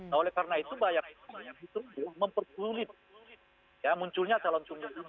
nah oleh karena itu banyak yang menuntun memperkulit ya munculnya calon tunggal ini